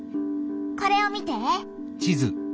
これを見て！